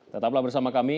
tetaplah bersama kami